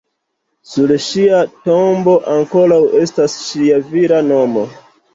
Sur ŝia tombo ankoraŭ estas ŝia vira nomo.